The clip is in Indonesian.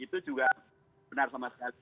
itu juga benar sama sekali